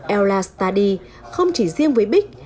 ella study không chỉ riêng với bích